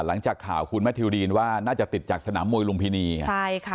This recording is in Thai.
หลังจากข่าวคุณแมททิวดีนว่าน่าจะติดจากสนามมวยลุมพินีใช่ค่ะ